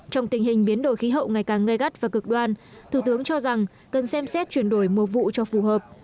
trong tình hình biến đổi khí hậu ngày càng ngây gắt và cực đoan thủ tướng cho rằng cần xem xét chuyển đổi mùa vụ cho phù hợp